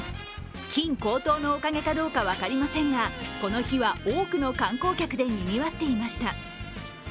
金高騰のおかげかどうか分かりませんがこの日は多くの観光客でにぎわっていました。